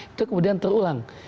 itu kemudian terulang